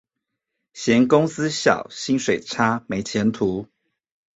嫌公司小、薪水差、沒前途